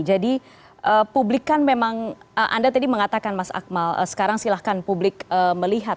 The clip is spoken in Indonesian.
jadi publik kan memang anda tadi mengatakan mas akmal sekarang silahkan publik melihat